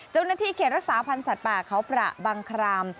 เจ้าหน้าที่เขตรักษาพันธ์สัตว์ป่าเขาประบังคราม